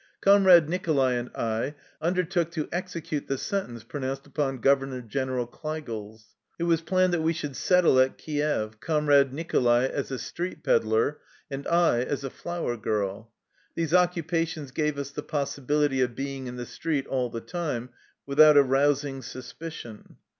Comrade Mcholai and I undertook to execute the sentence pronounced upon Governor General Kleigels. It was planned that we should settle at Kief, Comrade Nicholai as a street peddler and I as a flower girl. These occupations gave us the possibility of being in the street all the time without arousing suspicion.